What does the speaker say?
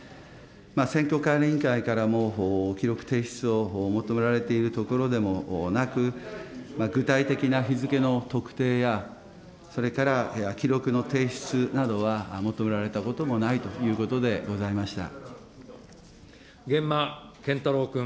選挙管理委員会からも記録提出を求められているところでもなく、具体的な日付の特定や、それから記録の提出などは求められたこともないということでござ源馬謙太郎君。